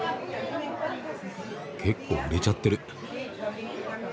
結構売れちゃってる。